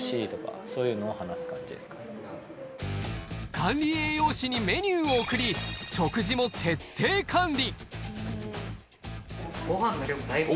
管理栄養士にメニューを送り、食事も徹底管理。